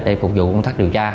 để phục vụ công tác điều tra